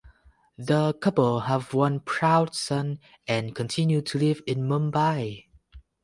The couple have one proud son and continue to live in mumbai.